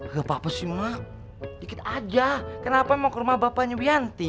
gak apa apa sih mak dikit aja kenapa mau ke rumah bapaknya wianti